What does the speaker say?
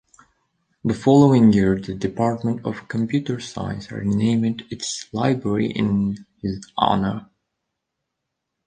The following year, the Department of Computer Science renamed its library in his honor.